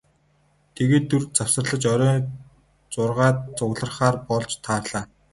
Тэгээд түр завсарлаж оройн зургаад цугларахаар болж тарлаа.